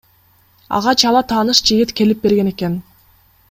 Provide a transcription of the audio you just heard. Ага чала тааныш жигит келип берген экен.